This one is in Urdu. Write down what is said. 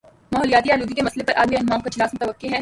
ماحولیاتی آلودگی کے مسئلے پر عالمی رہنماؤں کا اجلاس متوقع ہے